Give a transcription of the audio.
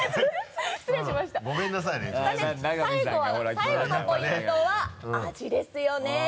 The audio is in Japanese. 最後のポイントは味ですよね。